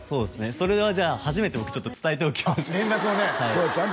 それはじゃあ初めて僕ちょっと伝えておきます